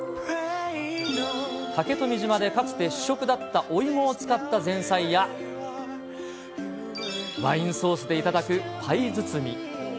竹富島でかつて主食だったお芋を使った前菜や、ワインソースで頂くパイ包み。